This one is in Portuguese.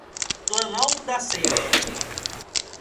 Planalto da Serra